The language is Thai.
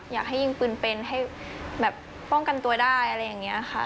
อยากให้ยิงปืนเป็นให้แบบป้องกันตัวได้อะไรอย่างนี้ค่ะ